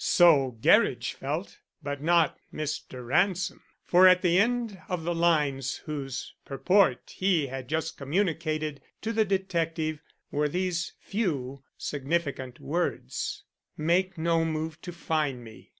So Gerridge felt; but not Mr. Ransom; for at the end of the lines whose purport he had just communicated to the detective were these few, significant words: "Make no move to find me.